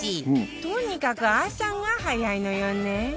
とにかく朝が早いのよね